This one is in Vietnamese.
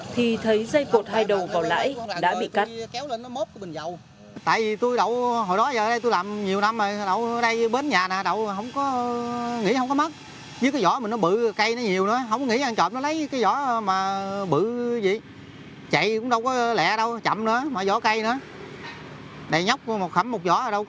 thì thấy dây cột hai đầu vào lãi đã bị cắt